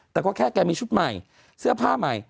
แต่ก็แค่แกมีชุดใหม่เสื้อผ้าใหม่